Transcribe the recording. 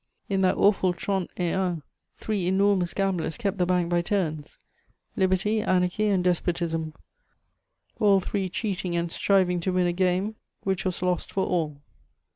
In that awful trente et un three enormous gamblers kept the bank by turns: liberty, anarchy and despotism, all three cheating and striving to win a game which was lost for all.